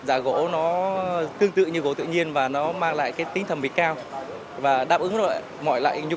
giả gỗ nó tương tự như gỗ tự nhiên và nó mang lại cái tính thẩm mỹ cao và đáp ứng mọi loại nhu